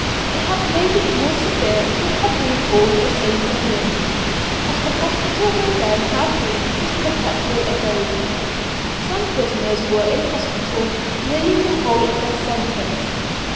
To have made it more severe would have been all the same to him, as the hospital would then have been his perpetual abode. Some prisoners were in hospital nearly the whole of their sentence.